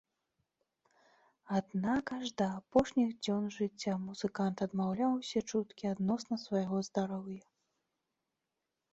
Аднак аж да апошніх дзён жыцця музыкант адмаўляў усе чуткі адносна свайго здароўя.